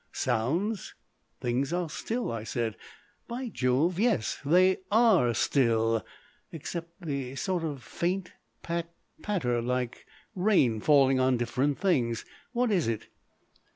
"Sounds?" "Things are still," I said. "By Jove! yes! They ARE still. Except the sort of faint pat, patter, like rain falling on different things. What is it?"